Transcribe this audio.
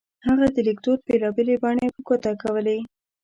هغه د لیکدود بېلا بېلې بڼې په ګوته کولې.